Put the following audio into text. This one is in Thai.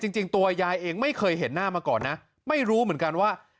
จริงตัวยายเองไม่เคยเห็นหน้ามาก่อนนะไม่รู้เหมือนกันว่า